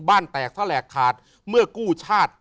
บ้านแตกถ้าแหลกขาดเมื่อกู้ชาติ